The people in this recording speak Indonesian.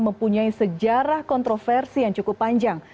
mempunyai sejarah kontroversi yang cukup panjang